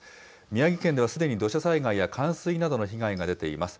宮城県ではすでに土砂災害や冠水などの被害が出ています。